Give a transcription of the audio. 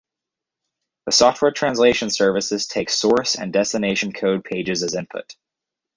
The software translation services take source and destination code pages as inputs.